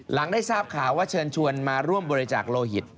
หลังได้ทราบข่าวว่าเชิญชวนมาร่วมบริจาคโลหิต